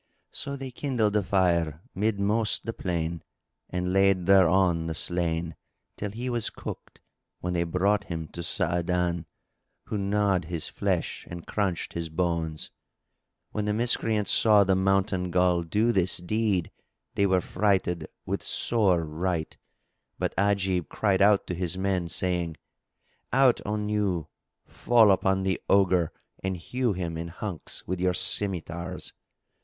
So they kindled a fire midmost the plain and laid thereon the slain, till he was cooked, when they brought him to Sa'adan, who gnawed his flesh and crunched his bones. When the Miscreants saw the Mountain Ghul do this deed they were affrighted with sore affright, but Ajib cried out to his men, saying, "Out on you! Fall upon the Ogre and hew him in hunks with your scymitars!"